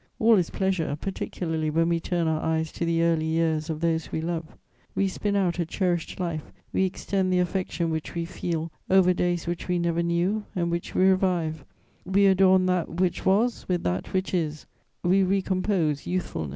All is pleasure, particularly when we turn our eyes to the early years of those we love; we spin out a cherished life; we extend the affection which we feel over days which we never knew and which we revive; we adorn that which was with that which is; we recompose youthfulness.